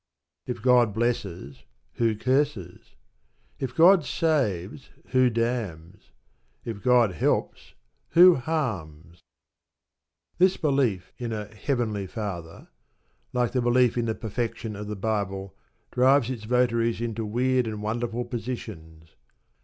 If God blesses, who curses? If God saves, who damns? If God helps, who harms? This belief in a "Heavenly Father," like the belief in the perfection of the Bible, drives its votaries into weird and wonderful positions.